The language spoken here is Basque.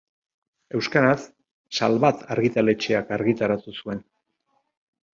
Euskaraz, Salvat argitaletxeak argitaratu zuen.